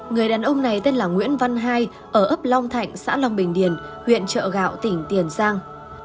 người đàn ông này tên là nguyễn văn hai ở ấp long thạnh xã long bình điền huyện trợ gạo tỉnh tiền giang